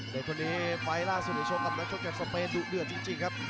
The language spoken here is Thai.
ในตอนนี้ไฟล่าสุดิชมกับนักชกแก่สะเมนดูดืดจริงครับ